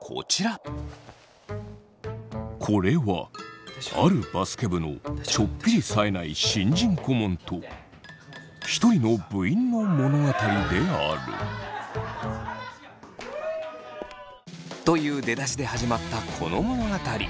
これはあるバスケ部のちょっぴりさえない新人顧問と一人の部員の物語であるという出だしで始まったこの物語。